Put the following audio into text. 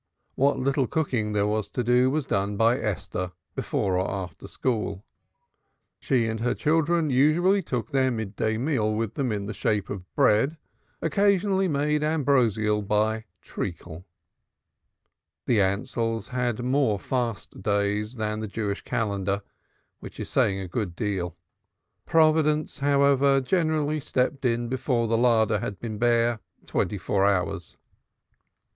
What little cooking there was to do was done by Esther before or after school; she and her children usually took their mid day meal with them in the shape of bread, occasionally made ambrosial by treacle The Ansells had more fast days than the Jewish calendar, which is saying a good deal. Providence, however, generally stepped in before the larder had been bare twenty four hours.